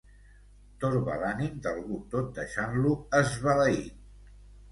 Torba l'ànim d'algú tot deixant-lo esbalaït.